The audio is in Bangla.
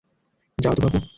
যাও তো বাপু!